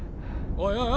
おいおい